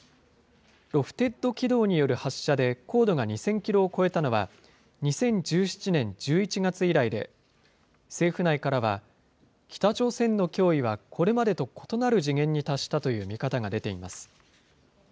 ロフテッド軌道による発射で、高度が２０００キロを超えたのは、２０１７年１１月以来で、政府内からは、北朝鮮の脅威はこれまでと異なる次元に達したという見方が出ています。